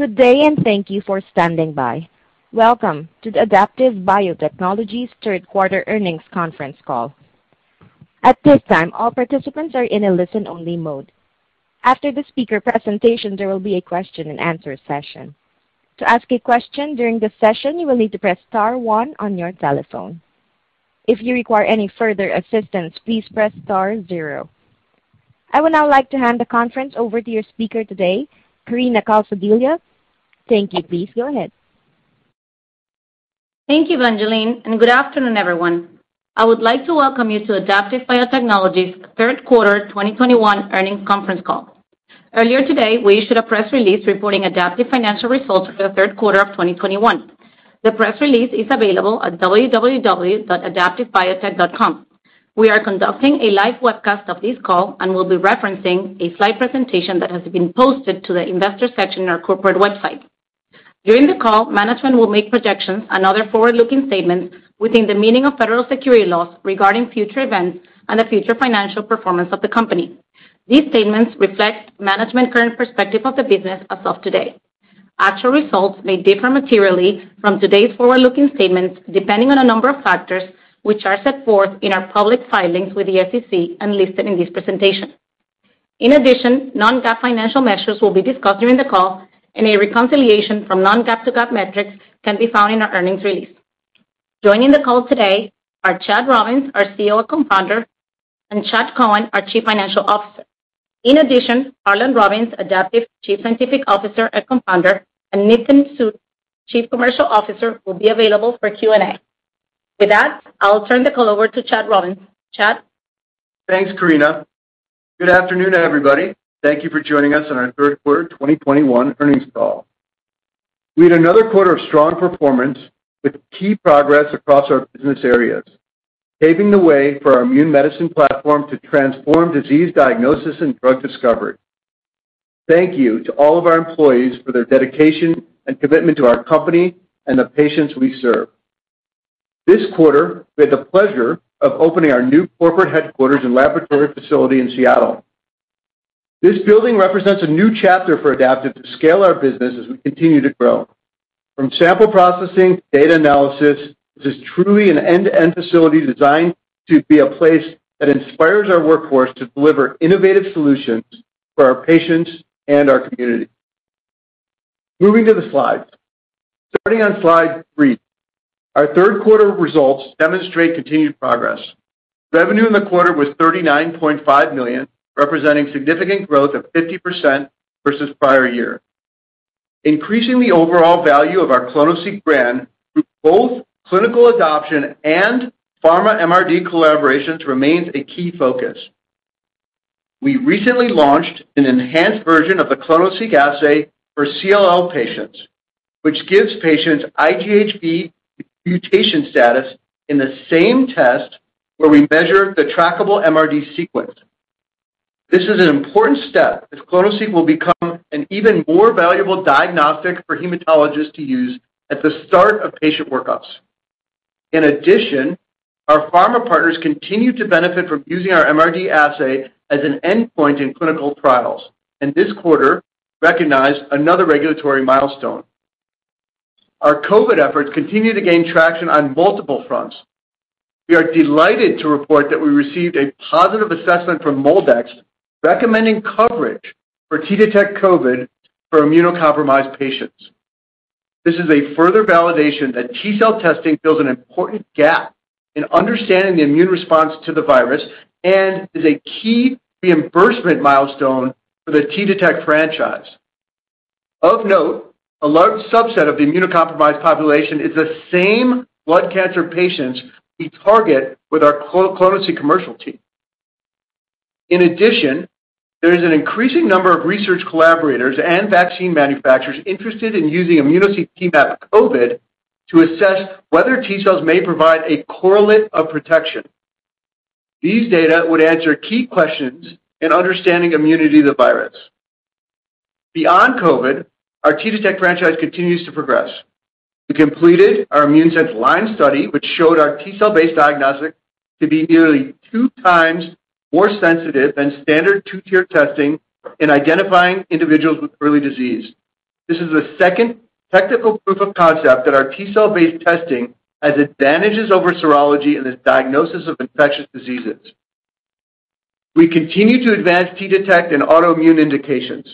Good day, and thank you for standing by. Welcome to the Adaptive Biotechnologies third quarter earnings conference call. At this time, all participants are in a listen-only mode. After the speaker presentation, there will be a question-and-answer session. To ask a question during the session, you will need to press star one on your telephone. If you require any further assistance, please press star zero. I would now like to hand the conference over to your speaker today, Karina Calzadilla. Thank you. Please go ahead. Thank you, Evangeline, and good afternoon, everyone. I would like to welcome you to Adaptive Biotechnologies third quarter 2021 earnings conference call. Earlier today, we issued a press release reporting Adaptive's financial results for the third quarter of 2021. The press release is available at www.adaptivebiotech.com. We are conducting a live webcast of this call and will be referencing a slide presentation that has been posted to the investor section on our corporate website. During the call, management will make projections and other forward-looking statements within the meaning of federal securities laws regarding future events and the future financial performance of the company. These statements reflect management's current perspective of the business as of today. Actual results may differ materially from today's forward-looking statements depending on a number of factors, which are set forth in our public filings with the SEC and listed in this presentation. In addition, non-GAAP financial measures will be discussed during the call, and a reconciliation from non-GAAP to GAAP metrics can be found in our earnings release. Joining the call today are Chad Robins, our CEO and Co-founder, and Chad Cohen, our Chief Financial Officer. In addition, Harlan Robins, Adaptive Chief Scientific Officer and Co-founder, and Nitin Sood, Chief Commercial Officer, will be available for Q&A. With that, I'll turn the call over to Chad Robins. Chad. Thanks, Karina. Good afternoon, everybody. Thank you for joining us on our third quarter 2021 earnings call. We had another quarter of strong performance with key progress across our business areas, paving the way for our immune medicine platform to transform disease diagnosis and drug discovery. Thank you to all of our employees for their dedication and commitment to our company and the patients we serve. This quarter, we had the pleasure of opening our new corporate headquarters and laboratory facility in Seattle. This building represents a new chapter for Adaptive to scale our business as we continue to grow. From sample processing to data analysis, this is truly an end-to-end facility designed to be a place that inspires our workforce to deliver innovative solutions for our patients and our community. Moving to the slides. Starting on slide three. Our third quarter results demonstrate continued progress. Revenue in the quarter was $39.5 million, representing significant growth of 50% versus prior year. Increasing the overall value of our clonoSEQ brand through both clinical adoption and pharma MRD collaborations remains a key focus. We recently launched an enhanced version of the clonoSEQ assay for CLL patients, which gives patients IGHV mutation status in the same test where we measure the trackable MRD sequence. This is an important step as clonoSEQ will become an even more valuable diagnostic for hematologists to use at the start of patient workups. In addition, our pharma partners continue to benefit from using our MRD assay as an endpoint in clinical trials, and this quarter recognized another regulatory milestone. Our COVID efforts continue to gain traction on multiple fronts. We are delighted to report that we received a positive assessment from MolDX, recommending coverage for T-Detect COVID for immunocompromised patients. This is a further validation that T-cell testing fills an important gap in understanding the immune response to the virus and is a key reimbursement milestone for the T-Detect franchise. Of note, a large subset of the immunocompromised population is the same blood cancer patients we target with our clonoSEQ commercial team. In addition, there is an increasing number of research collaborators and vaccine manufacturers interested in using immunoSEQ T-MAP COVID to assess whether T-cells may provide a correlate of protection. These data would answer key questions in understanding immunity to the virus. Beyond COVID, our T-Detect franchise continues to progress. We completed our ImmuneSense Lyme study, which showed our T-cell based diagnostic to be nearly two times more sensitive than standard two-tier testing in identifying individuals with early disease. This is the second technical proof of concept that our T-cell based testing has advantages over serology in the diagnosis of infectious diseases. We continue to advance T-Detect in autoimmune indications.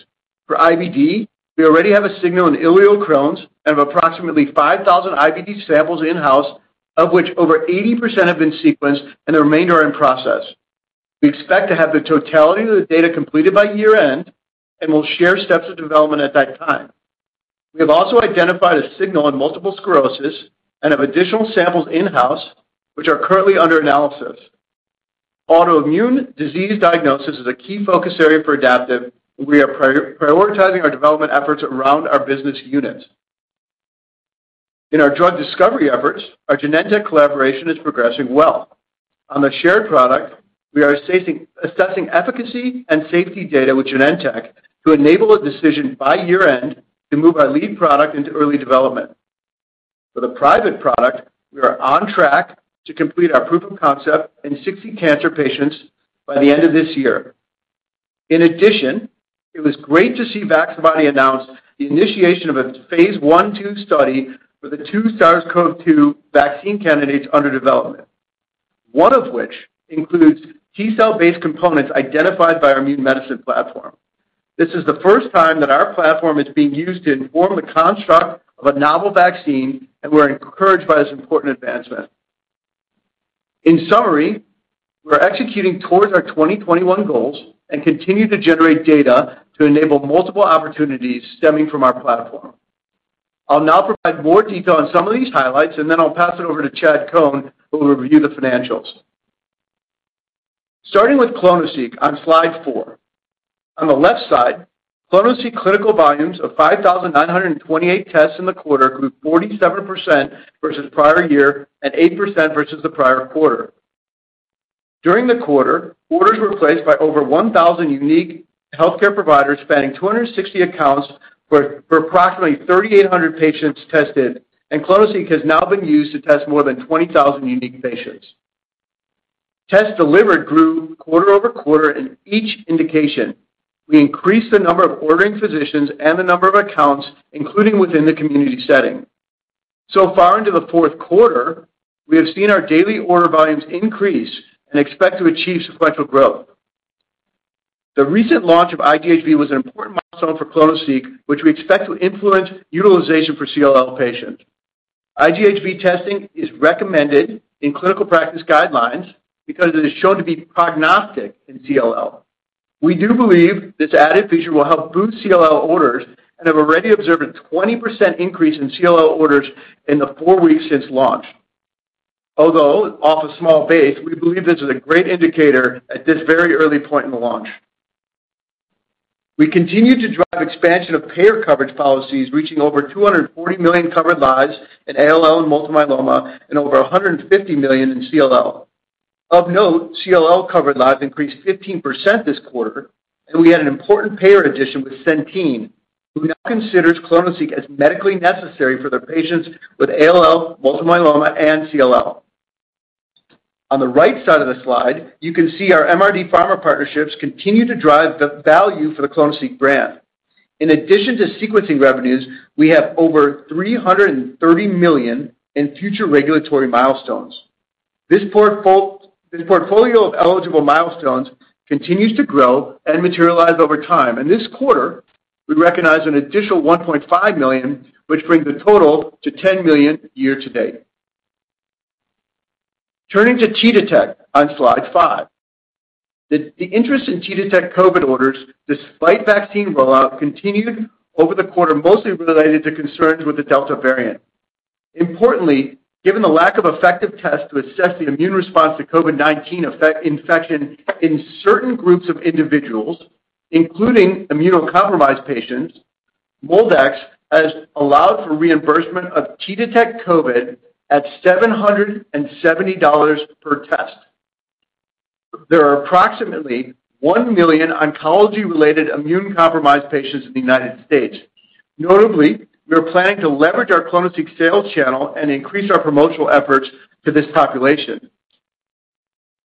For IBD, we already have a signal in ileal Crohn's and have approximately 5,000 IBD samples in-house, of which over 80% have been sequenced and the remainder are in process. We expect to have the totality of the data completed by year-end and will share steps of development at that time. We have also identified a signal in multiple sclerosis and have additional samples in-house which are currently under analysis. Autoimmune disease diagnosis is a key focus area for Adaptive, and we are prioritizing our development efforts around our business units. In our drug discovery efforts, our Genentech collaboration is progressing well. On the shared product, we are assessing efficacy and safety data with Genentech to enable a decision by year-end to move our lead product into early development. For the private product, we are on track to complete our proof of concept in 60 cancer patients by the end of this year. In addition, it was great to see Vaccibody announce the initiation of a phase I/II study for the two SARS-CoV-2 vaccine candidates under development, one of which includes T-cell based components identified by our immune medicine platform. This is the first time that our platform is being used to inform the construct of a novel vaccine, and we're encouraged by this important advancement. In summary, we're executing towards our 2021 goals and continue to generate data to enable multiple opportunities stemming from our platform. I'll now provide more detail on some of these highlights, and then I'll pass it over to Chad Cohen, who will review the financials. Starting with clonoSEQ on slide four. On the left side, clonoSEQ clinical volumes of 5,928 tests in the quarter grew 47% versus prior year and 8% versus the prior quarter. During the quarter, orders were placed by over 1,000 unique healthcare providers spanning 260 accounts for approximately 3,800 patients tested, and clonoSEQ has now been used to test more than 20,000 unique patients. Tests delivered grew quarter-over-quarter in each indication. We increased the number of ordering physicians and the number of accounts, including within the community setting. So far into the fourth quarter, we have seen our daily order volumes increase and expect to achieve sequential growth. The recent launch of IGHV was an important milestone for clonoSEQ, which we expect to influence utilization for CLL patients. IGHV testing is recommended in clinical practice guidelines because it is shown to be prognostic in CLL. We do believe this added feature will help boost CLL orders and have already observed a 20% increase in CLL orders in the four weeks since launch. Although off a small base, we believe this is a great indicator at this very early point in the launch. We continue to drive expansion of payer coverage policies, reaching over 240 million covered lives in ALL and multiple myeloma and over 150 million in CLL. Of note, CLL covered lives increased 15% this quarter, and we had an important payer addition with Centene, who now considers clonoSEQ as medically necessary for their patients with ALL, multiple myeloma, and CLL. On the right side of the slide, you can see our MRD pharma partnerships continue to drive the value for the clonoSEQ brand. In addition to sequencing revenues, we have over $330 million in future regulatory milestones. This portfolio of eligible milestones continues to grow and materialize over time, and this quarter we recognized an additional $1.5 million, which brings the total to $10 million year to date. Turning to T-Detect on slide five. The interest in T-Detect COVID orders despite vaccine rollout continued over the quarter, mostly related to concerns with the Delta variant. Importantly, given the lack of effective test to assess the immune response to COVID-19 infection in certain groups of individuals, including immunocompromised patients, MolDX has allowed for reimbursement of T-Detect COVID at $770 per test. There are approximately 1 million oncology-related immunocompromised patients in the U.S. Notably, we are planning to leverage our clonoSEQ sales channel and increase our promotional efforts to this population.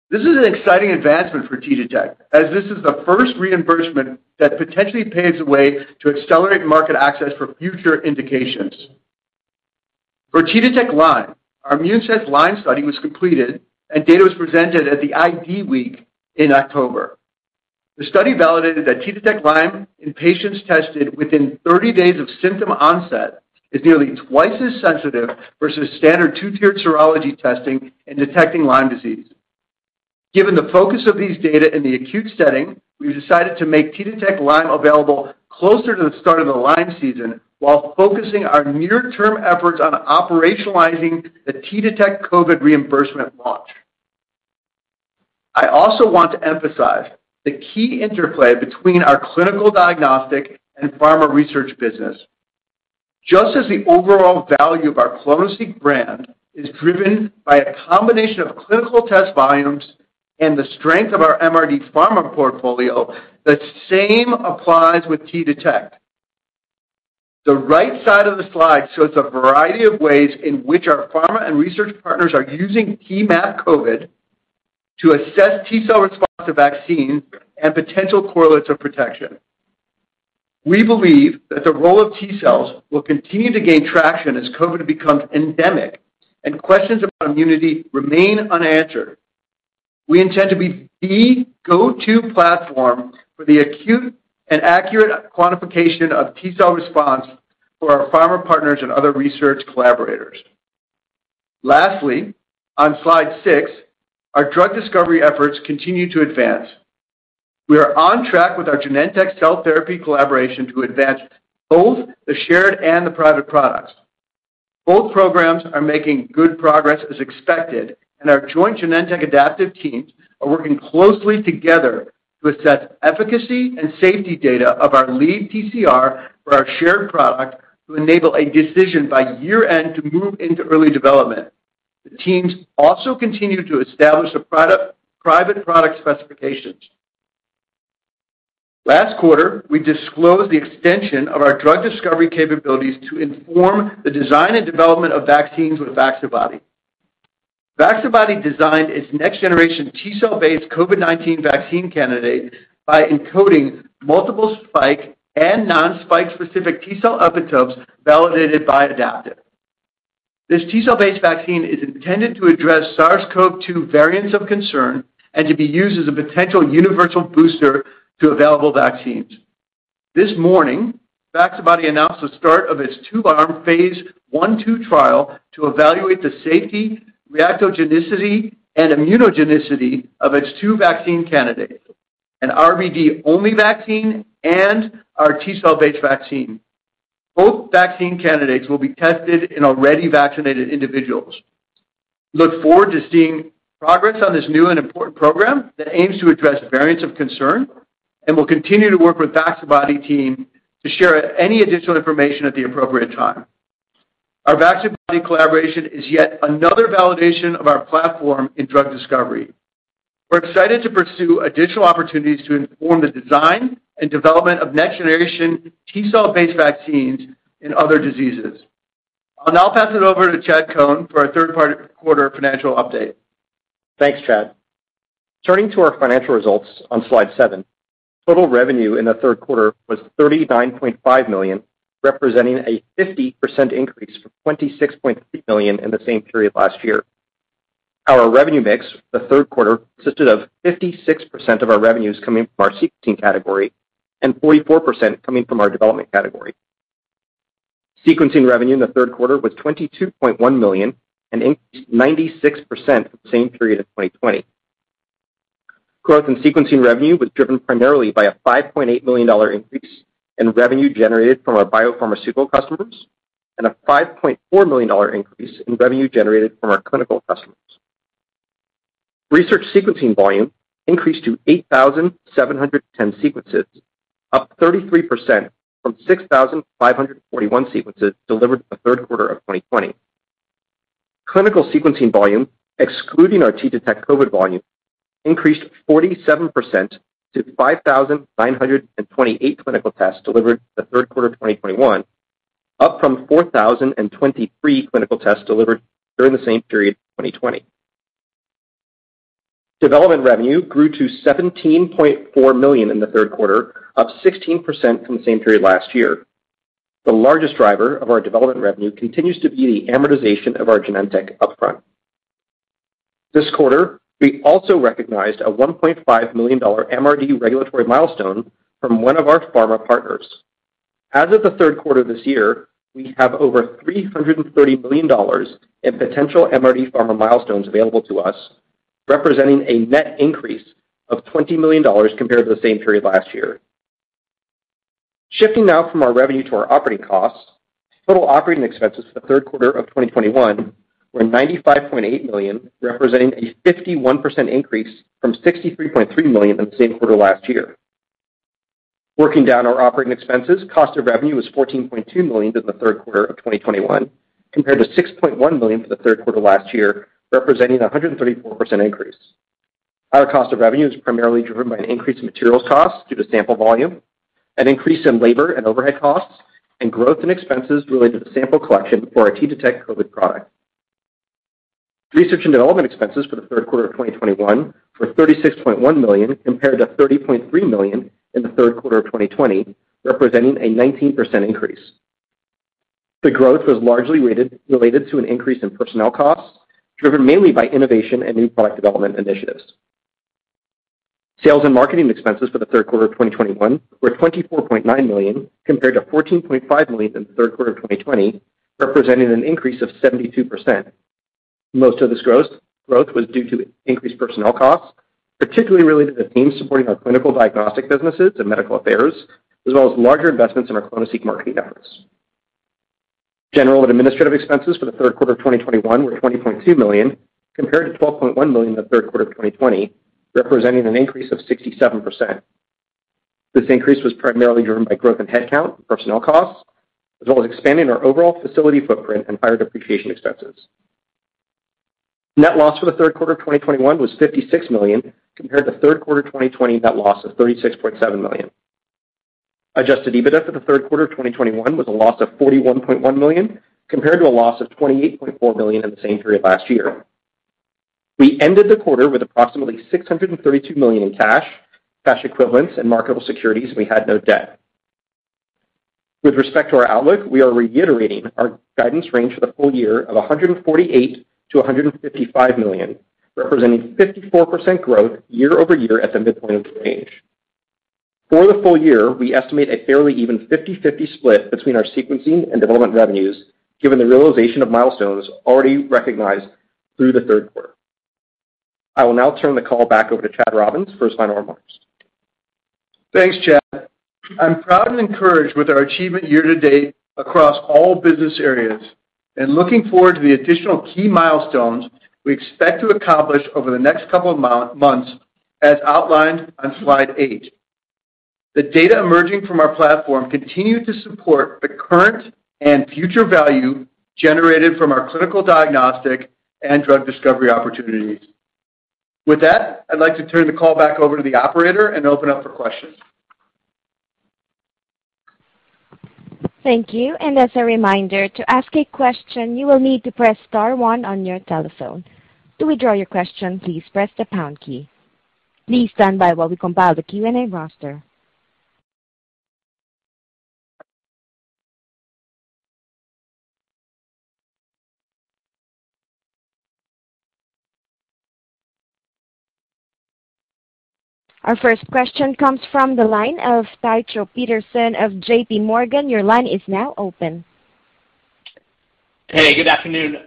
This is an exciting advancement for T-Detect, as this is the first reimbursement that potentially paves the way to accelerate market access for future indications. For T-Detect Lyme, our ImmuneSense Lyme study was completed, and data was presented at the IDWeek in October. The study validated that T-Detect Lyme in patients tested within 30 days of symptom onset is nearly twice as sensitive versus standard two-tiered serology testing in detecting Lyme disease. Given the focus of these data in the acute setting, we've decided to make T-Detect Lyme available closer to the start of the Lyme season while focusing our near-term efforts on operationalizing the T-Detect COVID reimbursement launch. I also want to emphasize the key interplay between our clinical diagnostic and pharma research business. Just as the overall value of our clonoSEQ brand is driven by a combination of clinical test volumes and the strength of our MRD pharma portfolio, the same applies with T-Detect. The right side of the slide shows a variety of ways in which our pharma and research partners are using T-MAP COVID to assess T cell response to vaccines and potential correlates of protection. We believe that the role of T cells will continue to gain traction as COVID becomes endemic and questions about immunity remain unanswered. We intend to be the go-to platform for the acute and accurate quantification of T cell response for our pharma partners and other research collaborators. Lastly, on slide six, our drug discovery efforts continue to advance. We are on track with our Genentech cell therapy collaboration to advance both the shared and the private products. Both programs are making good progress as expected, and our joint Genentech Adaptive teams are working closely together to assess efficacy and safety data of our lead TCR for our shared product to enable a decision by year-end to move into early development. The teams also continue to establish the private product specifications. Last quarter, we disclosed the extension of our drug discovery capabilities to inform the design and development of vaccines with Vaccibody. Vaccibody designed its next-generation T-cell-based COVID-19 vaccine candidate by encoding multiple spike and non-spike-specific T-cell epitopes validated by Adaptive. This T-cell-based vaccine is intended to address SARS-CoV-2 variants of concern and to be used as a potential universal booster to available vaccines. This morning, Vaccibody announced the start of its two-arm phase I/II trial to evaluate the safety, reactogenicity, and immunogenicity of its two vaccine candidates, an RBD-only vaccine and our T-cell-based vaccine. Both vaccine candidates will be tested in already vaccinated individuals. Look forward to seeing progress on this new and important program that aims to address variants of concern, and we'll continue to work with Vaccibody team to share any additional information at the appropriate time. Our Vaccibody collaboration is yet another validation of our platform in drug discovery. We're excited to pursue additional opportunities to inform the design and development of next-generation T-cell-based vaccines in other diseases. I'll now pass it over to Chad Cohen for our third quarter financial update. Thanks, Chad. Turning to our financial results on slide seven. Total revenue in the third quarter was $39.5 million, representing a 50% increase from $26.3 million in the same period last year. Our revenue mix for the third quarter consisted of 56% of our revenues coming from our sequencing category and 44% coming from our development category. Sequencing revenue in the third quarter was $22.1 million, an increase of 96% from the same period of 2020. Growth in sequencing revenue was driven primarily by a $5.8 million increase in revenue generated from our biopharmaceutical customers and a $5.4 million increase in revenue generated from our clinical customers. Research sequencing volume increased to 8,710 sequences, up 33% from 6,541 sequences delivered in the third quarter of 2020. Clinical sequencing volume, excluding our T-Detect COVID volume, increased 47% to 5,928 clinical tests delivered in the third quarter of 2021, up from 4,023 clinical tests delivered during the same period in 2020. Development revenue grew to $17.4 million in the third quarter, up 16% from the same period last year. The largest driver of our development revenue continues to be the amortization of our Genentech upfront. This quarter, we also recognized a $1.5 million MRD regulatory milestone from one of our pharma partners. As of the third quarter this year, we have over $330 million in potential MRD pharma milestones available to us, representing a net increase of $20 million compared to the same period last year. Shifting now from our revenue to our operating costs, total operating expenses for the third quarter of 2021 were $95.8 million, representing a 51% increase from $63.3 million in the same quarter last year. Working down our operating expenses, cost of revenue was $14.2 million in the third quarter of 2021, compared to $6.1 million for the third quarter last year, representing a 134% increase. Our cost of revenue is primarily driven by an increase in materials costs due to sample volume, an increase in labor and overhead costs, and growth in expenses related to sample collection for our T-Detect COVID product. Research and development expenses for the third quarter of 2021 were $36.1 million, compared to $30.3 million in the third quarter of 2020, representing a 19% increase. The growth was largely related to an increase in personnel costs, driven mainly by innovation and new product development initiatives. Sales and marketing expenses for the third quarter of 2021 were $24.9 million, compared to $14.5 million in the third quarter of 2020, representing an increase of 72%. Most of this gross-growth was due to increased personnel costs, particularly related to the teams supporting our clinical diagnostic businesses and medical affairs, as well as larger investments in our clonoSEQ marketing efforts. General and administrative expenses for the third quarter of 2021 were $20.2 million, compared to $12.1 million in the third quarter of 2020, representing an increase of 67%. This increase was primarily driven by growth in headcount and personnel costs, as well as expanding our overall facility footprint and higher depreciation expenses. Net loss for the third quarter of 2021 was $56 million, compared to the third quarter of 2020 net loss of $36.7 million. Adjusted EBITDA for the third quarter of 2021 was a loss of $41.1 million, compared to a loss of $28.4 million in the same period last year. We ended the quarter with approximately $632 million in cash equivalents and marketable securities, and we had no debt. With respect to our outlook, we are reiterating our guidance range for the full year of $148 million-$155 million, representing 54% growth year-over-year at the midpoint of the range. For the full year, we estimate a fairly even 50/50 split between our sequencing and development revenues, given the realization of milestones already recognized through the third quarter. I will now turn the call back over to Chad Robins for his final remarks. Thanks, Chad. I'm proud and encouraged with our achievement year to date across all business areas and looking forward to the additional key milestones we expect to accomplish over the next couple of months, as outlined on slide eight. The data emerging from our platform continue to support the current and future value generated from our clinical diagnostic and drug discovery opportunities. With that, I'd like to turn the call back over to the operator and open up for questions. Thank you. As a reminder, to ask a question, you will need to press star one on your telephone. To withdraw your question, please press the pound key. Please stand by while we compile the Q&A roster. Our first question comes from the line of Tycho Peterson of J.P. Morgan. Your line is now open. Hey, good afternoon.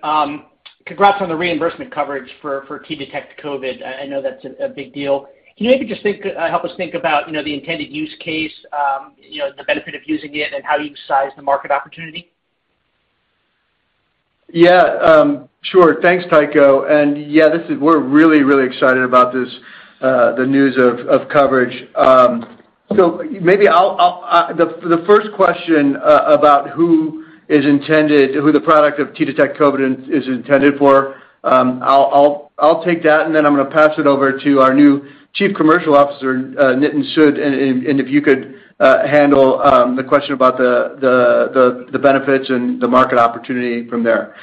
Congrats on the reimbursement coverage for T-Detect COVID. I know that's a big deal. Can you help us think about, you know, the intended use case, you know, the benefit of using it and how you size the market opportunity? Yeah, sure. Thanks, Tycho. Yeah, this is. We're really excited about this, the news of coverage. Maybe I'll take that, and then I'm gonna pass it over to our new Chief Commercial Officer, Nitin Sood. If you could handle the question about the benefits and the market opportunity from there.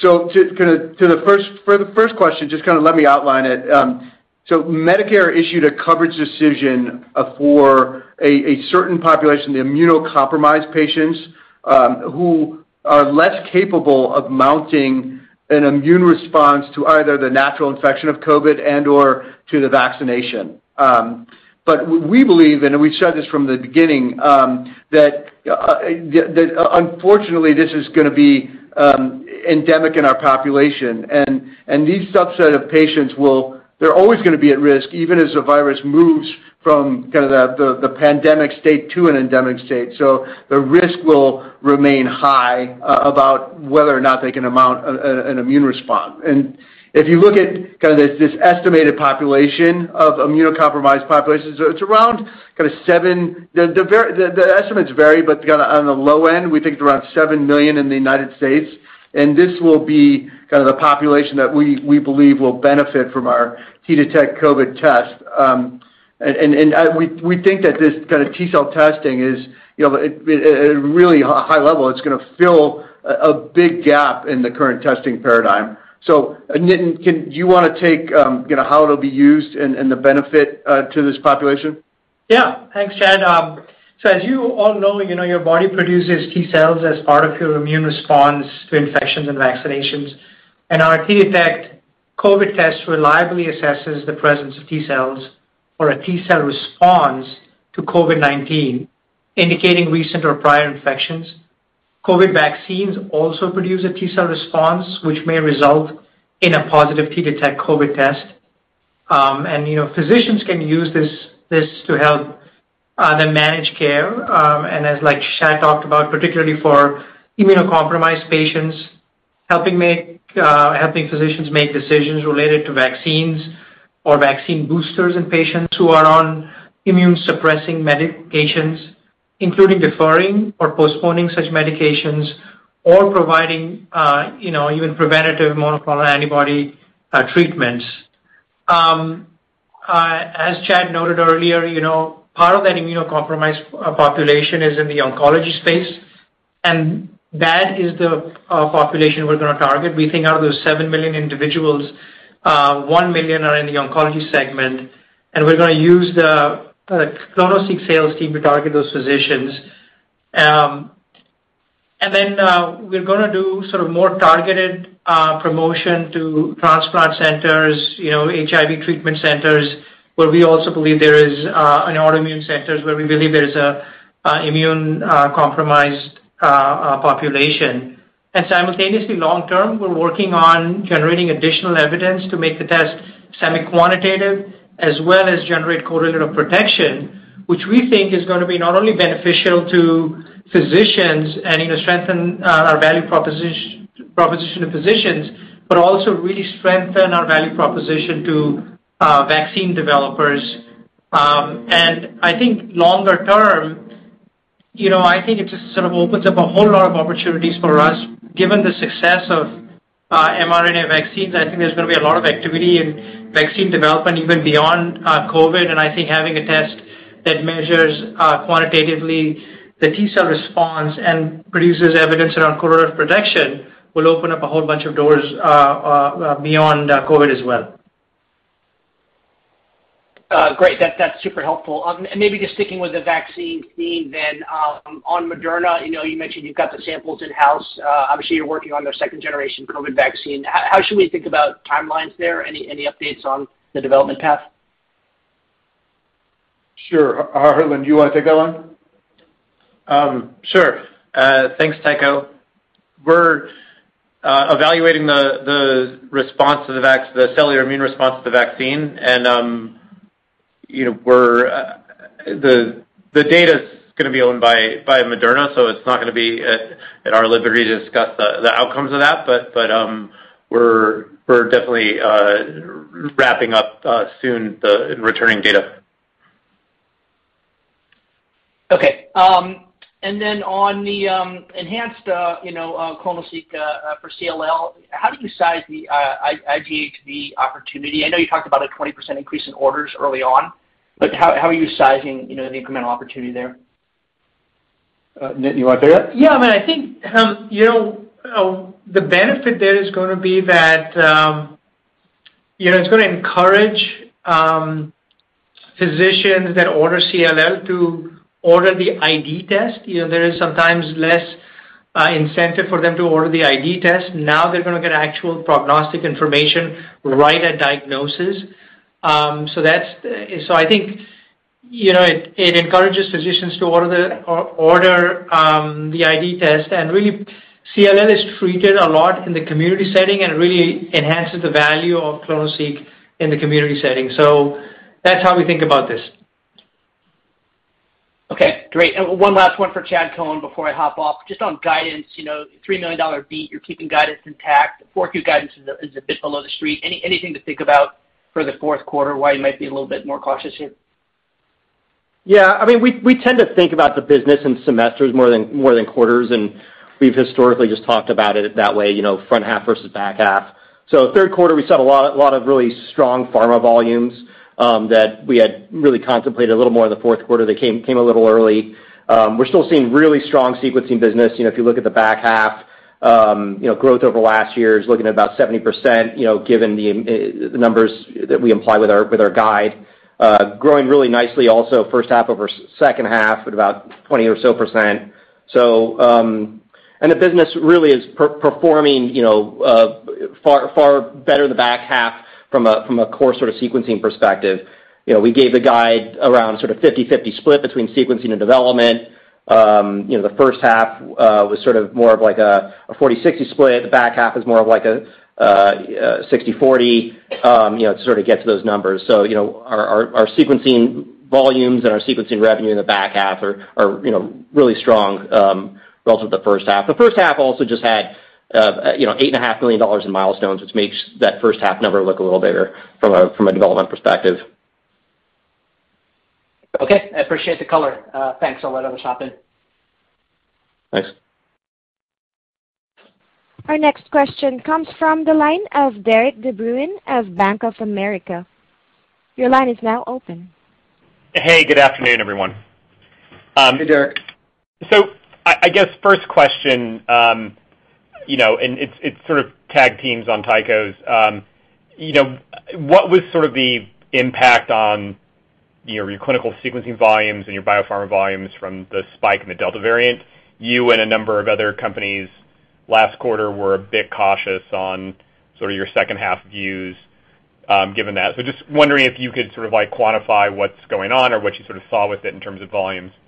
For the first question, just kinda let me outline it. Medicare issued a coverage decision for a certain population, the immunocompromised patients, who are less capable of mounting an immune response to either the natural infection of COVID and/or to the vaccination. We believe, and we've said this from the beginning, that unfortunately, this is gonna be endemic in our population. These subset of patients will always be at risk, even as the virus moves from kind of the pandemic state to an endemic state. The risk will remain high about whether or not they can mount an immune response. If you look at kind of this estimated population of immunocompromised populations, it's around kind of seven. The estimates vary, but kinda on the low end, we think it's around 7 million in the United States, and this will be kind of the population that we believe will benefit from our T-Detect COVID test. We think that this kind of T-cell testing is, you know, at really high level, it's gonna fill a big gap in the current testing paradigm. Nitin, do you wanna take you know how it'll be used and the benefit to this population? Yeah. Thanks, Chad. So as you all know, you know, your body produces T cells as part of your immune response to infections and vaccinations. Our T-Detect COVID test reliably assesses the presence of T cells or a T-cell response to COVID-19, indicating recent or prior infections. COVID vaccines also produce a T-cell response, which may result in a positive T-Detect COVID test. You know, physicians can use this to help them manage care, and as like Chad talked about, particularly for immunocompromised patients, helping physicians make decisions related to vaccines or vaccine boosters in patients who are on immune-suppressing medications, including deferring or postponing such medications or providing, you know, even preventative monoclonal antibody treatments. As Chad noted earlier, you know, part of that immunocompromised population is in the oncology space, and that is the population we're gonna target. We think out of those 7 million individuals, 1 million are in the oncology segment, and we're gonna use the clonoSEQ sales team to target those physicians. We're gonna do sort of more targeted promotion to transplant centers, you know, HIV treatment centers, and autoimmune centers where we believe there is a immunocompromised population. Simultaneously long term, we're working on generating additional evidence to make the test semi-quantitative as well as generate correlate of protection, which we think is gonna be not only beneficial to physicians and, you know, strengthen our value proposition to physicians, but also really strengthen our value proposition to vaccine developers. I think longer term, you know, I think it just sort of opens up a whole lot of opportunities for us. Given the success of mRNA vaccines, I think there's gonna be a lot of activity in vaccine development even beyond COVID. I think having a test that measures quantitatively the T-cell response and produces evidence around correlate of protection will open up a whole bunch of doors beyond COVID as well. Great. That's super helpful. Maybe just sticking with the vaccine theme then, on Moderna, you know, you mentioned you've got the samples in-house. Obviously you're working on their second generation COVID vaccine. How should we think about timelines there? Any updates on the development path? Sure. Harlan, do you wanna take that one? Sure. Thanks, Tycho. We're evaluating the cellular immune response to the vaccine, and you know, the data's gonna be owned by Moderna, so it's not gonna be at our liberty to discuss the outcomes of that. We're definitely wrapping up soon in returning data. Okay. Then on the enhanced, you know, clonoSEQ for CLL, how do you size the IGHV opportunity? I know you talked about a 20% increase in orders early on, but how are you sizing, you know, the incremental opportunity there? Nit, you want to take that? Yeah, I mean, I think the benefit there is gonna be that you know it's gonna encourage physicians that order CLL to order the IGHV test. You know, there is sometimes less incentive for them to order the IGHV test. Now they're gonna get actual prognostic information right at diagnosis. So I think you know it encourages physicians to order the IGHV test. Really, CLL is treated a lot in the community setting, and it really enhances the value of clonoSEQ in the community setting. So that's how we think about this. Okay, great. One last one for Chad Cohen before I hop off. Just on guidance, you know, $3 million beat, you're keeping guidance intact. The forecast guidance is a bit below the street. Anything to think about for the fourth quarter, why you might be a little bit more cautious here? I mean, we tend to think about the business in semesters more than quarters, and we've historically just talked about it that way, you know, front half versus back half. Third quarter, we saw a lot of really strong pharma volumes that we had really contemplated a little more in the fourth quarter that came a little early. We're still seeing really strong sequencing business. You know, if you look at the back half, you know, growth over last year is looking at about 70%, you know, given the numbers that we imply with our guide. Growing really nicely also first half over second half at about 20% or so. The business really is performing, you know, far, far better in the back half from a core sort of sequencing perspective. You know, we gave the guide around sort of 50/50 split between sequencing and development. The first half was sort of more of like a 40/60 split. The back half is more of like a 60/40, you know, to sort of get to those numbers. Our sequencing volumes and our sequencing revenue in the back half are, you know, really strong relative to the first half. The first half also just had, you know, $8.5 million in milestones, which makes that first half number look a little bigger from a development perspective. Okay. I appreciate the color. Thanks. I'll let others hop in. Thanks. Our next question comes from the line of Derik De Bruin of Bank of America. Your line is now open. Hey, good afternoon, everyone. Hey, Derik. I guess first question, it's sort of tag teams on Tycho. What was sort of the impact on your clinical sequencing volumes and your biopharma volumes from the spike in the Delta variant? You and a number of other companies last quarter were a bit cautious on sort of your second half views, given that. Just wondering if you could sort of like quantify what's going on or what you sort of saw with it in terms of volumes. Yeah.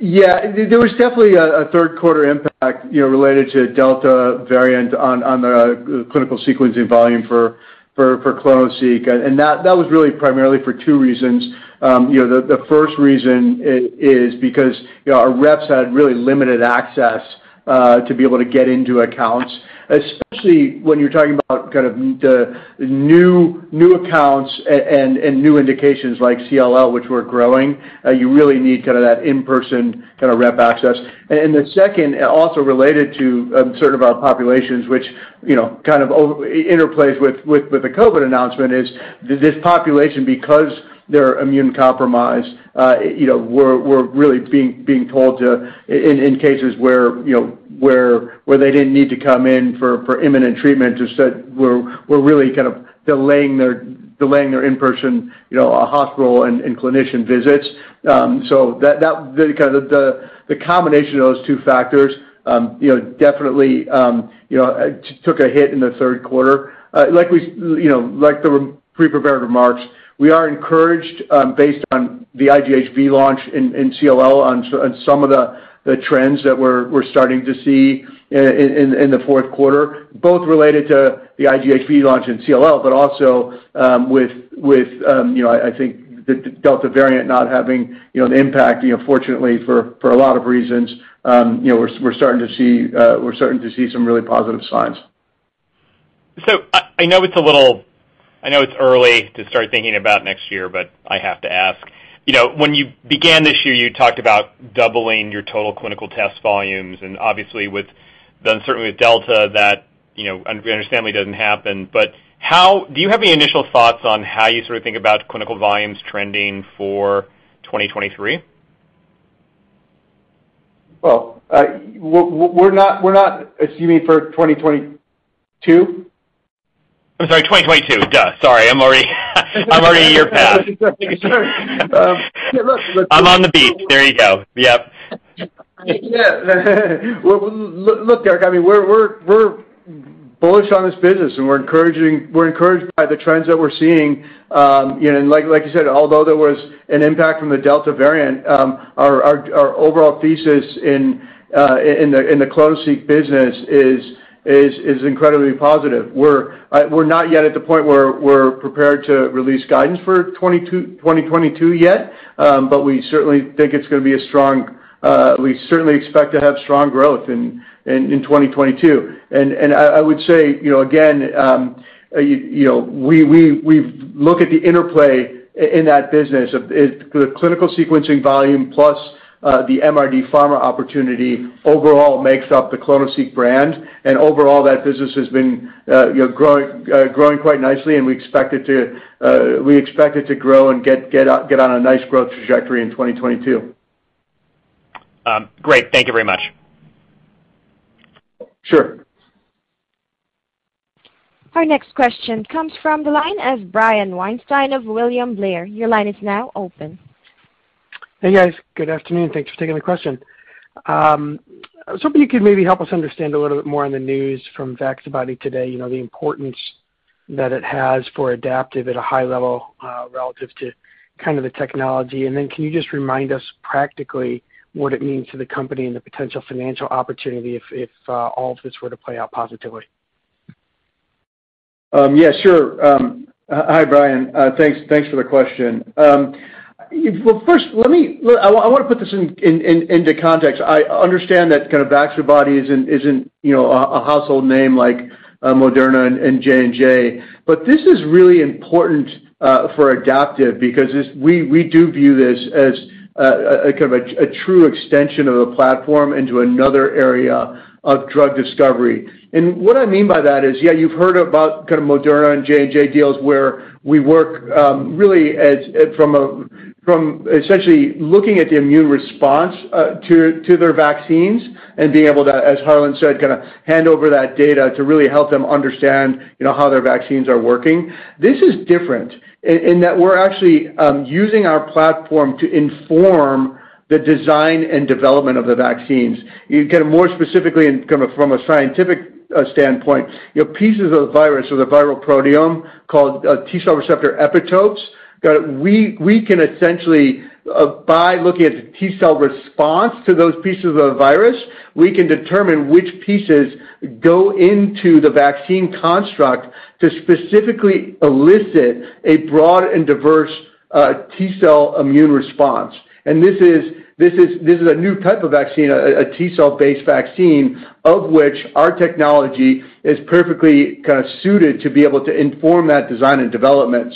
There was definitely a third quarter impact, you know, related to Delta variant on the clinical sequencing volume for clonoSEQ. That was really primarily for two reasons. You know, the first reason is because, you know, our reps had really limited access to be able to get into accounts, especially when you're talking about kind of the new accounts and new indications like CLL, which we're growing. You really need kind of that in-person kind of rep access. The second, also related to certain of our populations, which you know kind of interplays with the COVID announcement, is this population, because they're immunocompromised. You know, we're really being told to, in cases where you know where they didn't need to come in for imminent treatment, just that we're really kind of delaying their in-person you know hospital and clinician visits. So that the kind of combination of those two factors you know definitely you know took a hit in the third quarter. Like the pre-prepared remarks, we are encouraged based on the IGHV launch in CLL on some of the trends that we're starting to see in the fourth quarter, both related to the IGHV launch in CLL, but also with, you know, I think the Delta variant not having the impact, you know, fortunately for a lot of reasons, you know, we're starting to see some really positive signs. I know it's a little early to start thinking about next year, but I have to ask. You know, when you began this year, you talked about doubling your total clinical test volumes, and obviously with the uncertainty with Delta that, you know, understandably doesn't happen. But how do you have any initial thoughts on how you sort of think about clinical volumes trending for 2023? Well, we're not. You mean for 2022? I'm sorry, 2022, duh. Sorry, I'm already a year past. Yeah, look. I'm on the beat. There you go. Yep. Yeah. Well, look, Derik, I mean, we're bullish on this business, and we're encouraged by the trends that we're seeing. You know, like you said, although there was an impact from the Delta variant, our overall thesis in the clonoSEQ business is incredibly positive. We're not yet at the point where we're prepared to release guidance for 2022 yet, but we certainly think it's gonna be a strong, we certainly expect to have strong growth in 2022. I would say, you know, again, you know, we look at the interplay in that business of it, the clinical sequencing volume plus the MRD pharma opportunity overall makes up the clonoSEQ brand. Overall, that business has been, you know, growing quite nicely, and we expect it to grow and get on a nice growth trajectory in 2022. Great. Thank you very much. Sure. Our next question comes from the line of Brian Weinstein of William Blair. Your line is now open. Hey, guys. Good afternoon. Thanks for taking the question. I was hoping you could maybe help us understand a little bit more on the news from Vaccibody today, you know, the importance that it has for Adaptive at a high level, relative to kind of the technology. Then can you just remind us practically what it means to the company and the potential financial opportunity if all of this were to play out positively? Yeah, sure. Hi, Brian. Thanks for the question. Well, first, I wanna put this into context. I understand that kind of Vaccibody isn't you know a household name like Moderna and J&J, but this is really important for Adaptive because we do view this as a kind of a true extension of the platform into another area of drug discovery. What I mean by that is, yeah, you've heard about kinda Moderna and J&J deals where we work really as from essentially looking at the immune response to their vaccines and being able to, as Harlan said, kinda hand over that data to really help them understand you know how their vaccines are working. This is different in that we're actually using our platform to inform the design and development of the vaccines. To get more specifically and kind of from a scientific standpoint, you know, pieces of the virus or the viral proteome called T-cell receptor epitopes that we can essentially by looking at the T-cell response to those pieces of the virus, we can determine which pieces go into the vaccine construct to specifically elicit a broad and diverse T-cell immune response. This is a new type of vaccine, a T-cell based vaccine of which our technology is perfectly kinda suited to be able to inform that design and development.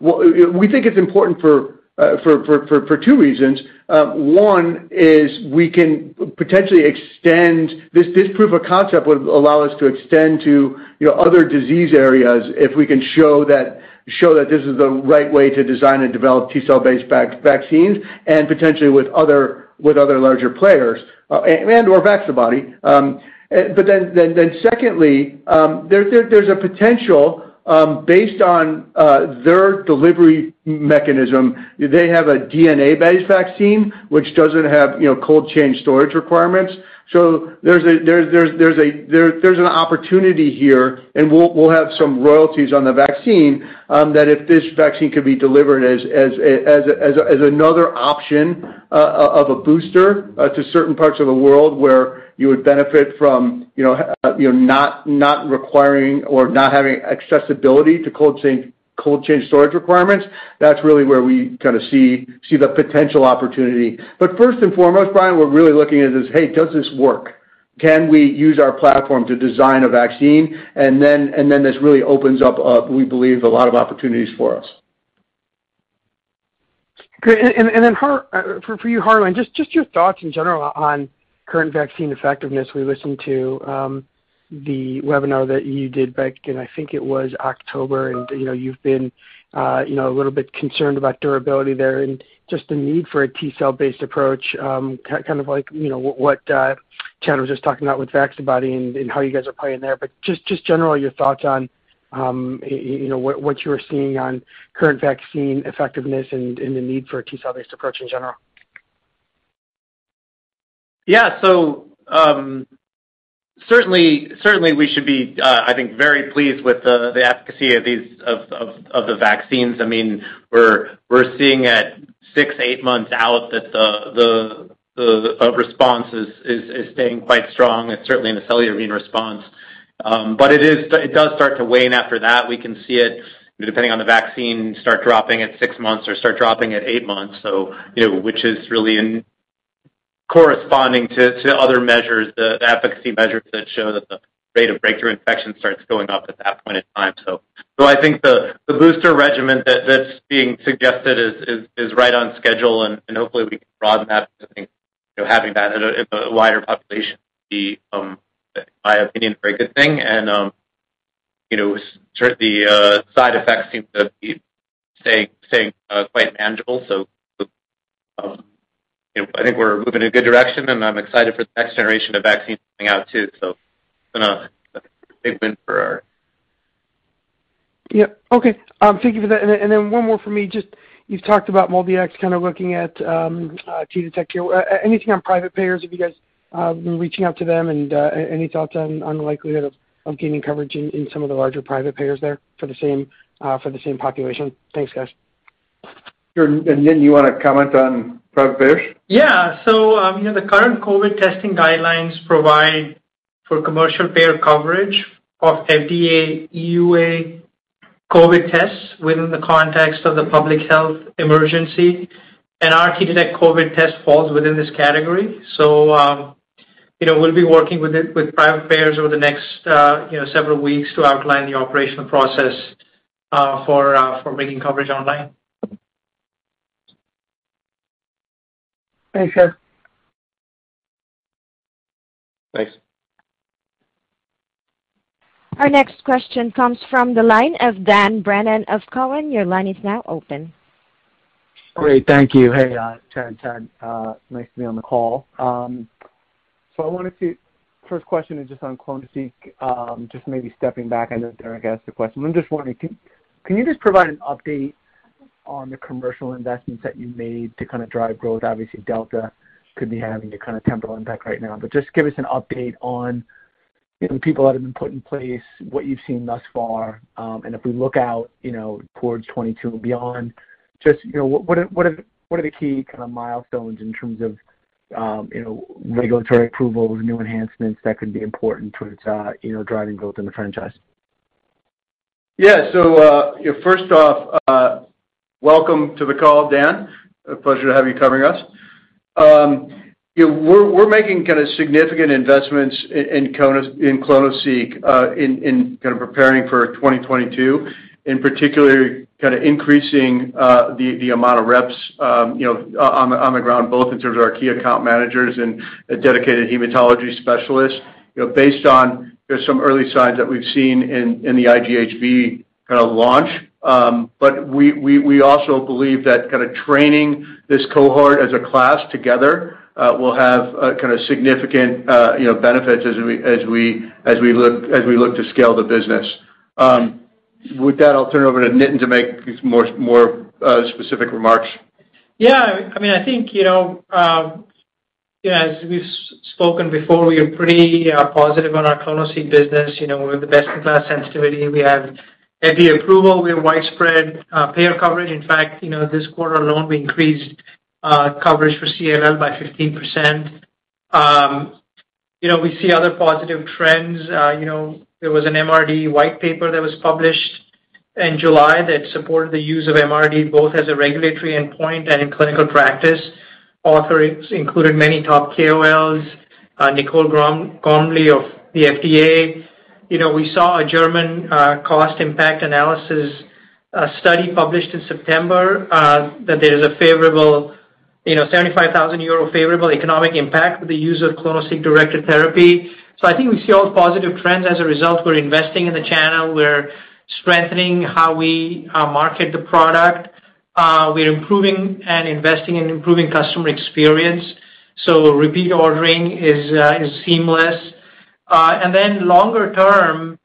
We think it's important for two reasons. One is we can potentially extend. This proof of concept would allow us to extend to, you know, other disease areas if we can show that this is the right way to design and develop T-cell-based vaccines and potentially with other larger players, and/or Vaccibody. Secondly, there's a potential based on their delivery mechanism. They have a DNA-based vaccine which doesn't have, you know, cold chain storage requirements. There's an opportunity here, and we'll have some royalties on the vaccine that if this vaccine could be delivered as another option of a booster to certain parts of the world where you would benefit from you know not requiring or not having accessibility to cold chain storage requirements, that's really where we kinda see the potential opportunity. First and foremost, Brian, we're really looking at this, "Hey, does this work? Can we use our platform to design a vaccine?" Then this really opens up, we believe a lot of opportunities for us. Great. For you, Harlan, just your thoughts in general on current vaccine effectiveness. We listened to the webinar that you did back in, I think it was October. You know, you've been you know, a little bit concerned about durability there and just the need for a T-cell based approach, kind of like, you know, what Chad was just talking about with Vaccibody and how you guys are playing there. Just generally your thoughts on, you know, what you are seeing on current vaccine effectiveness and the need for a T-cell based approach in general. Yeah, certainly we should be, I think very pleased with the efficacy of these vaccines. I mean, we're seeing at six-eight months out that the response is staying quite strong and certainly in the cellular immune response. But it does start to wane after that. We can see it, depending on the vaccine, start dropping at six months or start dropping at eight months. You know, which is really corresponding to other measures, the efficacy measures that show that the rate of breakthrough infection starts going up at that point in time. I think the booster regimen that's being suggested is right on schedule, and hopefully we can broaden that because I think, you know, having that at a wider population would be, in my opinion, a very good thing. The side effects seem to be staying quite manageable. I think we're moving in a good direction, and I'm excited for the next generation of vaccines coming out too. It's been a big win for our Yeah. Okay. Thank you for that. Then one more for me, just you've talked about MolDX kind of looking at T-Detect here. Anything on private payers, have you guys been reaching out to them and any thoughts on the likelihood of gaining coverage in some of the larger private payers there for the same population? Thanks, guys. Sure. You wanna comment on private payers? You know, the current COVID testing guidelines provide for commercial payer coverage of FDA EUA. COVID tests within the context of the public health emergency, and our T-Detect COVID test falls within this category. You know, we'll be working with private payers over the next, you know, several weeks to outline the operational process for making coverage online. Thanks, sir. Thanks. Our next question comes from the line of Dan Brennan of Cowen. Your line is now open. Great. Thank you. Hey, Chad, nice to be on the call. First question is just on clonoSEQ. Just maybe stepping back, I know Derik asked a question. I'm just wondering, can you just provide an update on the commercial investments that you made to kind of drive growth? Obviously, Delta could be having a kind of temporal impact right now. Just give us an update on, you know, the people that have been put in place, what you've seen thus far. If we look out, you know, towards 2022 and beyond, just, you know, what are the key kind of milestones in terms of, you know, regulatory approval or new enhancements that could be important towards, you know, driving growth in the franchise? Yeah. You know, first off, welcome to the call, Dan. A pleasure to have you covering us. You know, we're making kind of significant investments in clonoSEQ in kind of preparing for 2022, in particular, kind of increasing the amount of reps, you know, on the ground, both in terms of our key account managers and a dedicated hematology specialist. You know, based on just some early signs that we've seen in the IGHV kind of launch. We also believe that kind of training this cohort as a class together will have kind of significant, you know, benefits as we look to scale the business. With that, I'll turn it over to Nitin to make more specific remarks. Yeah, I mean, I think, you know, as we've spoken before, we are pretty positive on our clonoSEQ business. You know, we have the best-in-class sensitivity. We have FDA approval. We have widespread payer coverage. In fact, you know, this quarter alone, we increased coverage for CLL by 15%. You know, we see other positive trends. You know, there was an MRD white paper that was published in July that supported the use of MRD both as a regulatory endpoint and in clinical practice. Authors included many top KOLs, Nicole Gormley of the FDA. You know, we saw a German cost impact analysis study published in September that there is a favorable, you know, 75,000 euro favorable economic impact with the use of clonoSEQ directed therapy. I think we see all positive trends. As a result, we're investing in the channel. We're strengthening how we market the product. We're improving and investing in improving customer experience, so repeat ordering is seamless. Longer term,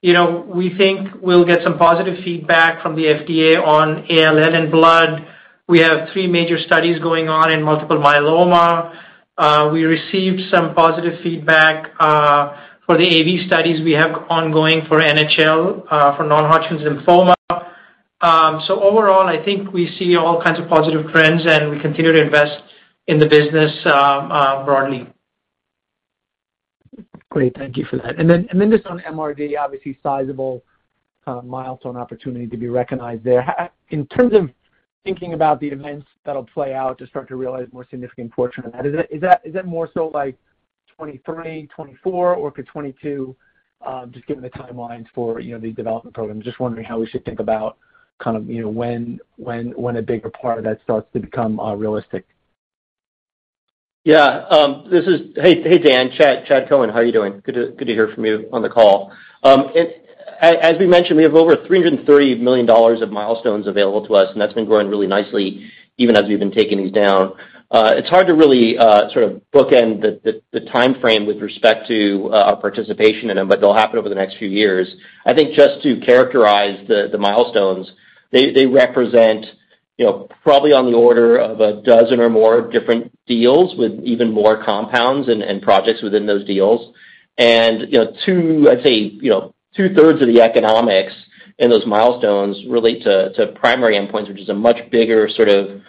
you know, we think we'll get some positive feedback from the FDA on ALL and blood. We have three major studies going on in multiple myeloma. We received some positive feedback for the IVD studies we have ongoing for NHL, for non-Hodgkin's lymphoma. Overall, I think we see all kinds of positive trends, and we continue to invest in the business, broadly. Great. Thank you for that. Just on MRD, obviously sizable kind of milestone opportunity to be recognized there. In terms of thinking about the events that'll play out to start to realize more significant portion of that, is that more so like 2023, 2024, or could 2022, just given the timelines for, you know, the development program? Just wondering how we should think about kind of, you know, when a bigger part of that starts to become realistic. Yeah. Hey, Dan. Chad Cohen. How are you doing? Good to hear from you on the call. As we mentioned, we have over $330 million of milestones available to us, and that's been growing really nicely even as we've been taking these down. It's hard to really sort of bookend the timeframe with respect to participation in them, but they'll happen over the next few years. I think just to characterize the milestones, they represent, you know, probably on the order of a dozen or more different deals with even more compounds and projects within those deals. You know, two, I'd say, you know, two-thirds of the economics in those milestones relate to primary endpoints, which is a much bigger sort of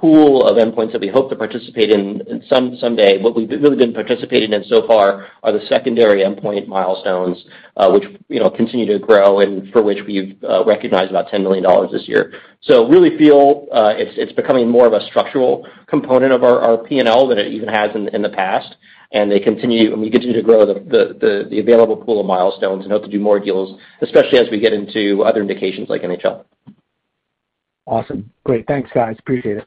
pool of endpoints that we hope to participate in some someday. What we've really been participating in so far are the secondary endpoint milestones, which, you know, continue to grow and for which we've recognized about $10 million this year. Really feel it's becoming more of a structural component of our P&L than it even has in the past, and they continue, and we continue to grow the available pool of milestones and hope to do more deals, especially as we get into other indications like NHL. Awesome. Great. Thanks, guys. Appreciate it.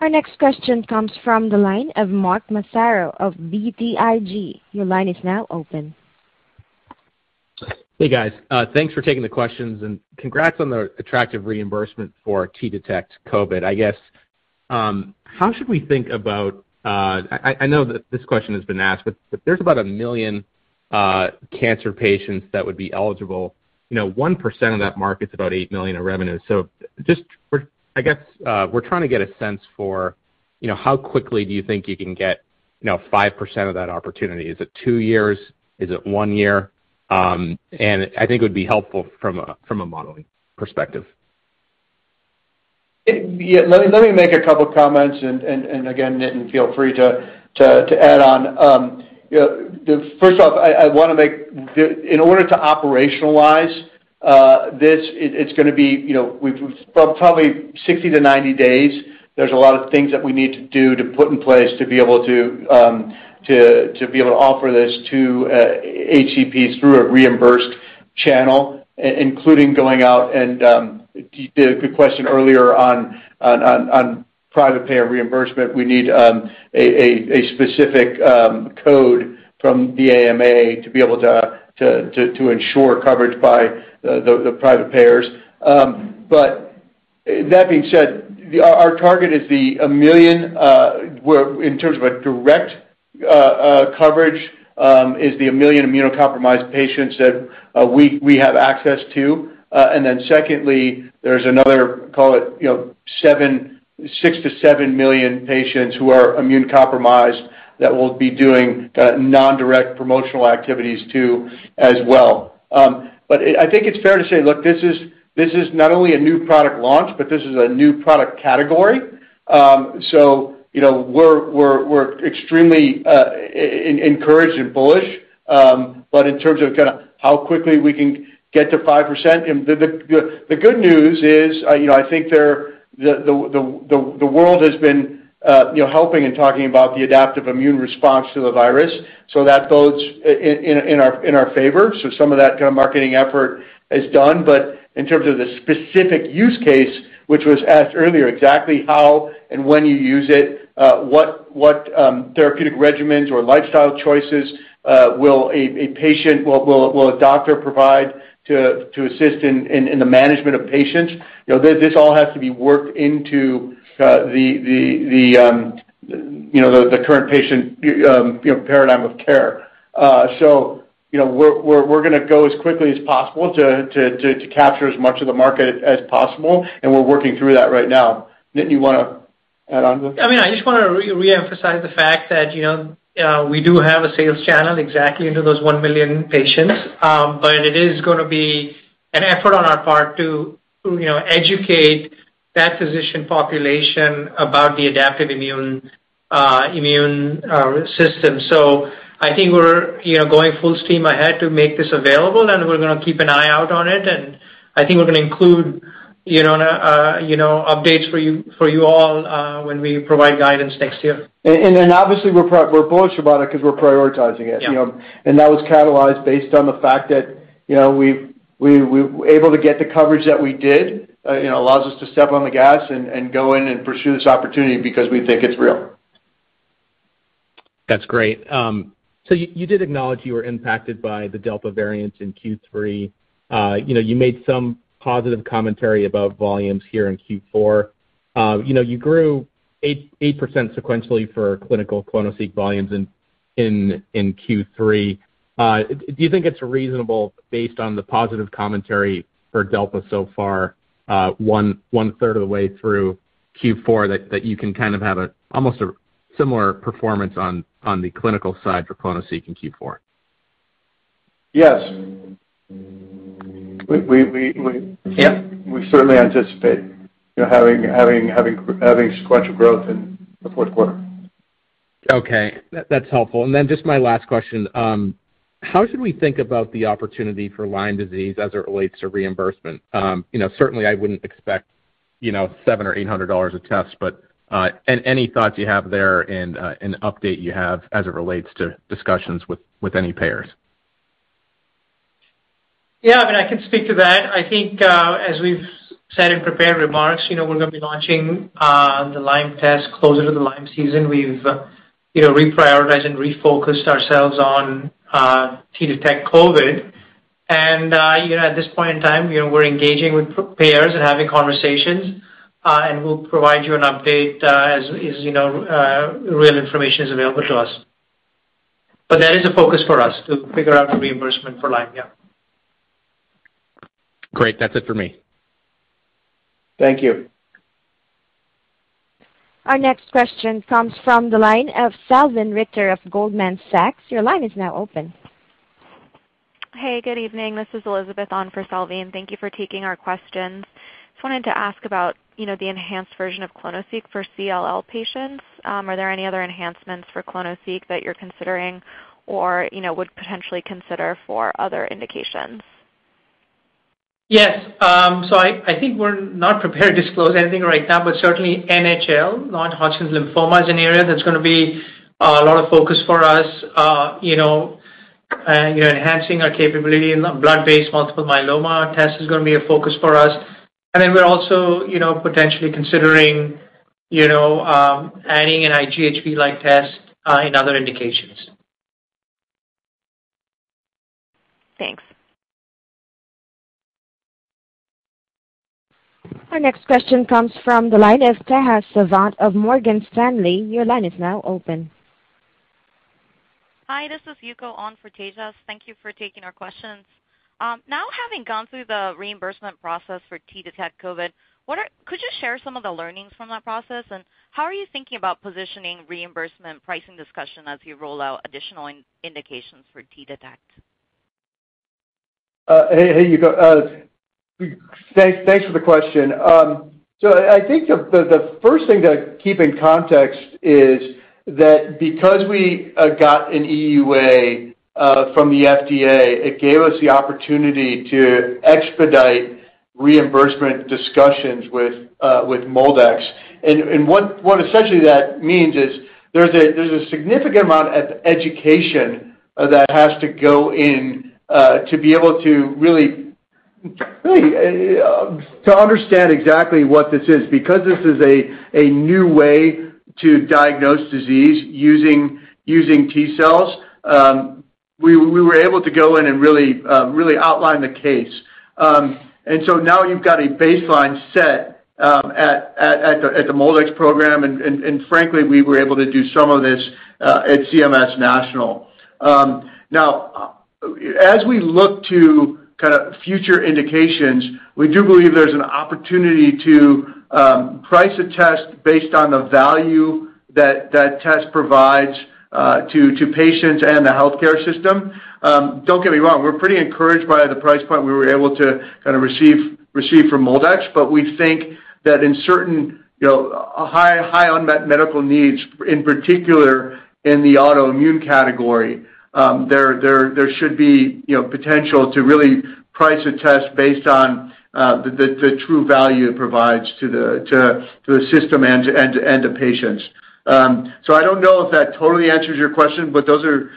Our next question comes from the line of Mark Massaro of BTIG. Your line is now open. Hey, guys. Thanks for taking the questions, and congrats on the attractive reimbursement for T-Detect COVID. I guess, how should we think about. I know that this question has been asked, but if there's about 1 million cancer patients that would be eligible, you know, 1% of that market's about $8 million in revenue. So just for. I guess, we're trying to get a sense for, you know, how quickly do you think you can get, you know, 5% of that opportunity? Is it two years? Is it one year? And I think it would be helpful from a modeling perspective. Yeah, let me make a couple comments and again, Nitin, feel free to add on. First off, in order to operationalize this, it's gonna be, you know, we've probably 60-90 days. There's a lot of things that we need to do to put in place to be able to offer this to HCPs through a reimbursed channel, including going out and to the good question earlier on private payer reimbursement. We need a specific code from the AMA to be able to ensure coverage by the private payers. That being said, our target is the 1 million immunocompromised patients that we have access to in terms of direct coverage. Then secondly, there's another, call it, 6-7 million patients who are immunocompromised that we'll be doing indirect promotional activities to as well. I think it's fair to say, look, this is not only a new product launch, but this is a new product category. You know, we're extremely encouraged and bullish. In terms of kinda how quickly we can get to 5% and the good news is, you know, I think that the world has been, you know, helping and talking about the adaptive immune response to the virus, so that bodes in our favor. Some of that kind of marketing effort is done. In terms of the specific use case, which was asked earlier, exactly how and when you use it, what therapeutic regimens or lifestyle choices will a doctor provide to assist in the management of patients. You know, this all has to be worked into the current patient paradigm of care. You know, we're gonna go as quickly as possible to capture as much of the market as possible, and we're working through that right now. Nitin, you wanna add on to that? I mean, I just wanna reemphasize the fact that, you know, we do have a sales channel exactly into those 1 million patients. But it is gonna be an effort on our part to, you know, educate that physician population about the adaptive immune system. So I think we're, you know, going full steam ahead to make this available, and we're gonna keep an eye out on it. I think we're gonna include, you know, updates for you all when we provide guidance next year. Obviously we're bullish about it 'cause we're prioritizing it. Yeah. You know, that was catalyzed based on the fact that, you know, we were able to get the coverage that we did, you know, allows us to step on the gas and go in and pursue this opportunity because we think it's real. That's great. So you did acknowledge you were impacted by the Delta variant in Q3. You know, you made some positive commentary about volumes here in Q4. You know, you grew 8% sequentially for clinical clonoSEQ volumes in Q3. Do you think it's reasonable based on the positive commentary for Delta so far, one third of the way through Q4 that you can kind of have almost a similar performance on the clinical side for clonoSEQ in Q4? Yes. We Yeah. We certainly anticipate, you know, having sequential growth in the fourth quarter. Okay. That's helpful. Just my last question. How should we think about the opportunity for Lyme disease as it relates to reimbursement? You know, certainly I wouldn't expect $700-$800 a test, but any thoughts you have there and an update you have as it relates to discussions with any payers? Yeah, I mean, I can speak to that. I think, as we've said in prepared remarks, you know, we're gonna be launching the Lyme test closer to the Lyme season. We've, you know, reprioritized and refocused ourselves on T-Detect COVID. You know, at this point in time, you know, we're engaging with payers and having conversations, and we'll provide you an update, as you know, real information is available to us. That is a focus for us to figure out the reimbursement for Lyme. Yeah. Great. That's it for me. Thank you. Our next question comes from the line of Salveen Richter of Goldman Sachs. Your line is now open. Hey, good evening. This is Elizabeth on for Salveen. Thank you for taking our questions. Just wanted to ask about, you know, the enhanced version of clonoSEQ for CLL patients. Are there any other enhancements for clonoSEQ that you're considering or, you know, would potentially consider for other indications? Yes. I think we're not prepared to disclose anything right now, but certainly NHL, non-Hodgkin's lymphoma, is an area that's gonna be a lot of focus for us. You know, enhancing our capability in blood-based multiple myeloma test is gonna be a focus for us. We're also, you know, potentially considering, you know, adding an IGHV-like test in other indications. Thanks. Our next question comes from the line of Tejas Savant of Morgan Stanley. Your line is now open. Hi, this is Yuko on for Tejas. Thank you for taking our questions. Now having gone through the reimbursement process for T-Detect COVID, could you share some of the learnings from that process? How are you thinking about positioning reimbursement pricing discussion as you roll out additional indications for T-Detect? Hey, Yuko. Thanks for the question. I think the first thing to keep in context is that because we got an EUA from the FDA, it gave us the opportunity to expedite reimbursement discussions with MolDX. What essentially that means is there's a significant amount of education that has to go in to be able to really to understand exactly what this is. Because this is a new way to diagnose disease using T cells, we were able to go in and really outline the case. Now you've got a baseline set at the MolDX program, and frankly, we were able to do some of this at CMS National. Now, as we look to kind of future indications, we do believe there's an opportunity to price a test based on the value that that test provides to patients and the healthcare system. Don't get me wrong, we're pretty encouraged by the price point we were able to kind of receive from MolDX, but we think that in certain, you know, high unmet medical needs, in particular in the autoimmune category, there should be, you know, potential to really price a test based on the true value it provides to the system and to patients. I don't know if that totally answers your question, but those are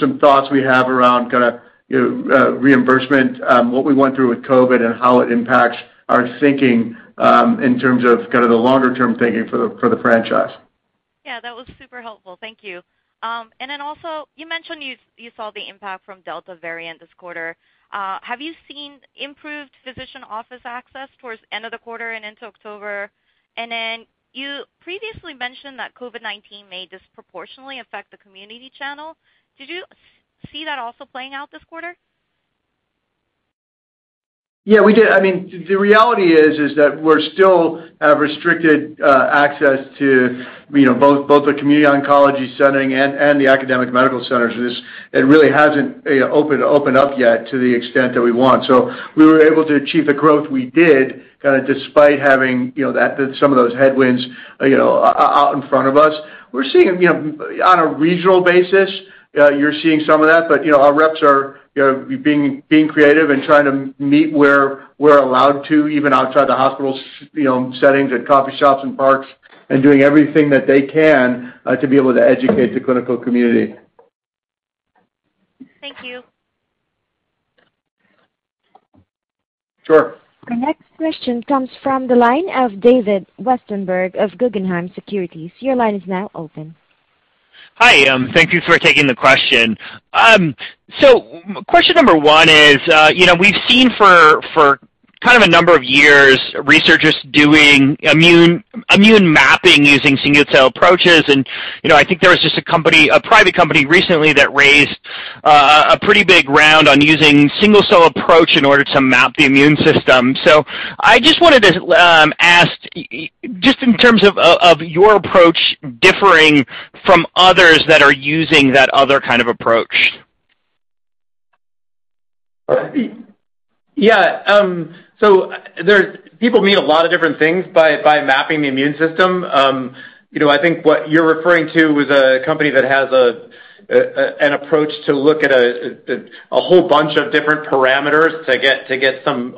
some thoughts we have around kinda, you know, reimbursement, what we went through with COVID and how it impacts our thinking, in terms of kind of the longer term thinking for the franchise. Yeah, that was super helpful. Thank you. You mentioned you saw the impact from Delta variant this quarter. Have you seen improved physician office access towards end of the quarter and into October? You previously mentioned that COVID-19 may disproportionately affect the community channel. Did you see that also playing out this quarter? Yeah, we did. I mean, the reality is that we're still having restricted access to, you know, both the community oncology setting and the academic medical centers. It really hasn't opened up yet to the extent that we want. We were able to achieve the growth we did kind of despite having, you know, that some of those headwinds, you know, out in front of us. We're seeing, you know, on a regional basis, you're seeing some of that. You know, our reps are, you know, being creative and trying to meet where we're allowed to, even outside the hospital, you know, settings, at coffee shops and parks, and doing everything that they can to be able to educate the clinical community. Thank you. Sure. The next question comes from the line of David Westenberg of Guggenheim Securities. Your line is now open. Hi. Thank you for taking the question. Question number one is, you know, we've seen for kind of a number of years, researchers doing immune mapping using single-cell approaches. You know, I think there was just a company, a private company recently that raised a pretty big round on using single-cell approach in order to map the immune system. I just wanted to ask just in terms of your approach differing from others that are using that other kind of approach. Yeah. People mean a lot of different things by mapping the immune system. You know, I think what you're referring to was a company that has an approach to look at a whole bunch of different parameters to get some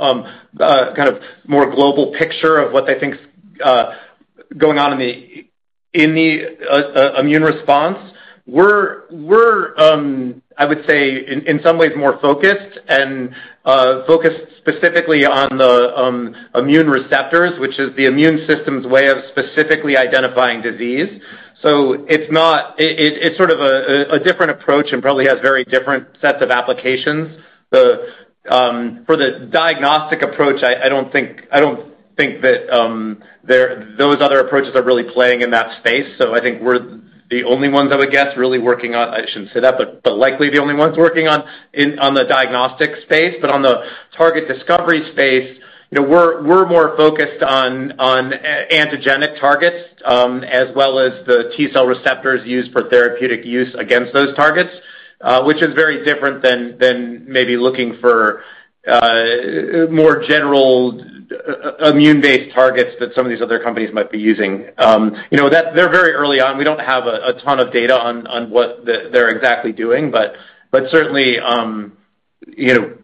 kind of more global picture of what they think is going on in the immune response. We're, I would say in some ways more focused and focused specifically on the immune receptors, which is the immune system's way of specifically identifying disease. It's sort of a different approach and probably has very different sets of applications. For the diagnostic approach, I don't think that those other approaches are really playing in that space. I think we're the only ones, I would guess, really working on. I shouldn't say that, but likely the only ones working on the diagnostic space. On the target discovery space, you know, we're more focused on antigenic targets, as well as the T-cell receptors used for therapeutic use against those targets, which is very different than maybe looking for more general immune-based targets that some of these other companies might be using. You know, that they're very early on. We don't have a ton of data on what they're exactly doing. Certainly, you know,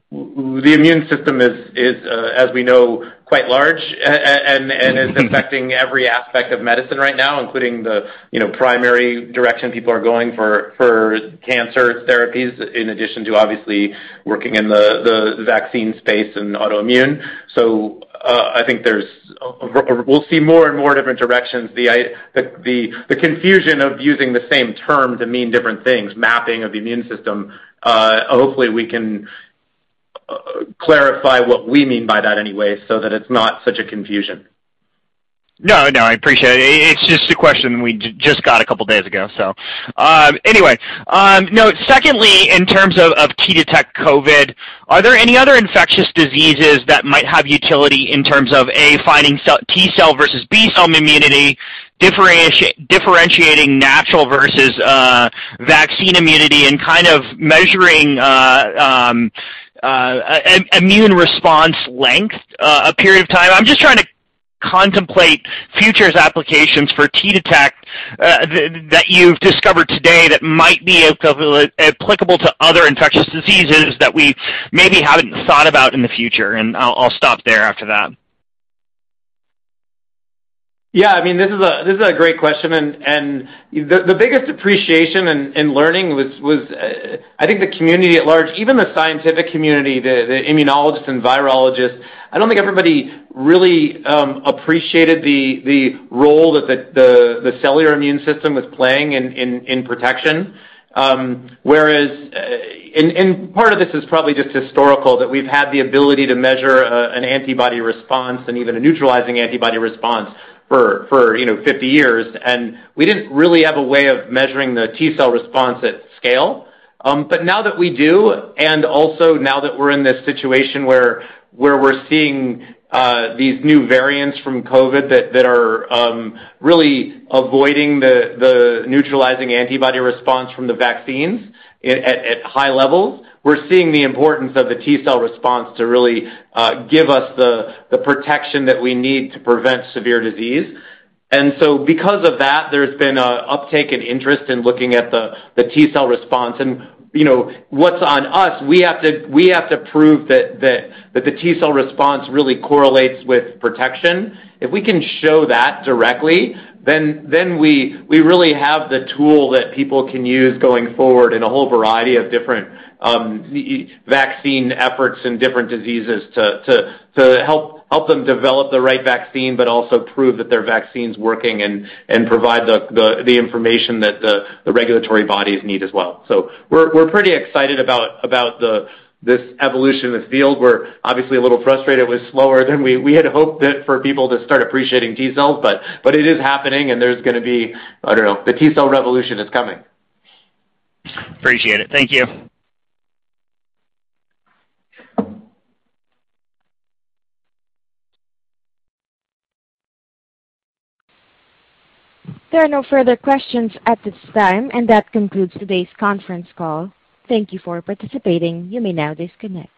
the immune system is, as we know, quite large and is affecting every aspect of medicine right now, including the primary direction people are going for cancer therapies in addition to obviously working in the vaccine space and autoimmune. We'll see more and more different directions. The confusion of using the same term to mean different things, mapping of the immune system, hopefully we can clarify what we mean by that anyway so that it's not such a confusion. No, no, I appreciate it. It's just a question we just got a couple of days ago, so. Anyway, you know, secondly, in terms of T-Detect COVID, are there any other infectious diseases that might have utility in terms of, A, finding T-cell versus B-cell immunity, differentiating natural versus vaccine immunity and kind of measuring immune response length a period of time? I'm just trying to contemplate future applications for T-Detect that you've discovered today that might be applicable to other infectious diseases that we maybe haven't thought about in the future, and I'll stop there after that. Yeah. I mean, this is a great question, and the biggest appreciation in learning was, I think the community at large, even the scientific community, the immunologists and virologists. I don't think everybody really appreciated the role that the cellular immune system was playing in protection. Whereas, part of this is probably just historical, that we've had the ability to measure an antibody response and even a neutralizing antibody response for, you know, 50 years, and we didn't really have a way of measuring the T cell response at scale. Now that we do, and also now that we're in this situation where we're seeing these new variants from COVID that are really avoiding the neutralizing antibody response from the vaccines at high levels, we're seeing the importance of the T cell response to really give us the protection that we need to prevent severe disease. Because of that, there's been an uptake in interest in looking at the T cell response. You know, what's on us, we have to prove that the T cell response really correlates with protection. If we can show that directly, then we really have the tool that people can use going forward in a whole variety of different vaccine efforts and different diseases to help them develop the right vaccine but also prove that their vaccine's working and provide the information that the regulatory bodies need as well. We're pretty excited about this evolution in this field. We're obviously a little frustrated with slower than we had hoped for people to start appreciating T cells, but it is happening, and there's gonna be. I don't know. The T cell revolution is coming. Appreciate it. Thank you. There are no further questions at this time, and that concludes today's conference call. Thank you for participating. You may now disconnect.